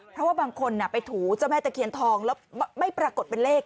เพราะว่าบางคนไปถูเจ้าแม่ตะเคียนทองแล้วไม่ปรากฏเป็นเลข